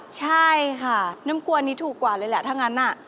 ใช่ค่ะน้ำกวนนี้ถูกกว่าเลยแหละถ้างั้นน่ะ